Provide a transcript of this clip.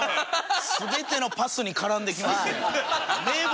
全てのパスに絡んできますね。